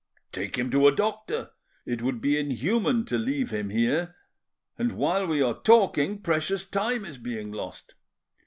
"Take him to a doctor. It would be inhuman to leave him here, and while we are talking precious time is being lost."